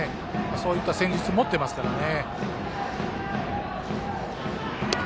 そういった戦術を持っていますからね。